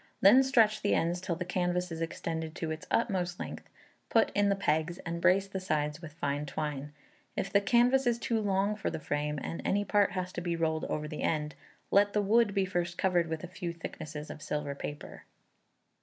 Then stretch the ends till the canvas is extended to its utmost length, put in the pegs, and brace the sides with fine twine. If the canvas is too long for the frame, and any part has to be rolled over the end, let the wood be first covered with a few thicknesses of silver paper.